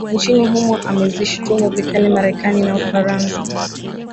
nchini humo amezishitumu vikali marekani na ufaransa